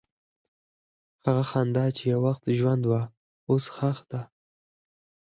هغه خندا چې یو وخت ژوند وه، اوس ښخ ده.